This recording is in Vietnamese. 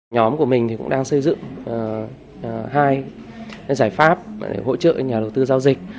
nhóm của mình cũng đang xây dựng hai giải pháp để hỗ trợ nhà đầu tư giao dịch